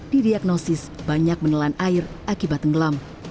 didiagnosis banyak menelan air akibat tenggelam